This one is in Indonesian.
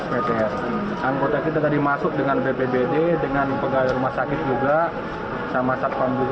meter dan kota kita tadi masuk dengan bbb dengan pegawai rumah sakit juga sama satpamu